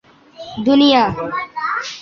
دنیا